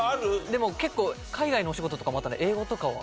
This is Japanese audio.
でも結構海外のお仕事とかもあったので英語とかは。